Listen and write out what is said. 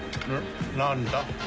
何だ？